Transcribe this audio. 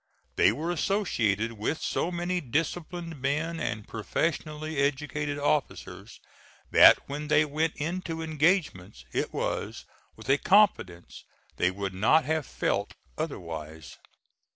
They were associated with so many disciplined men and professionally educated officers, that when they went into engagements it was with a confidence they would not have felt otherwise.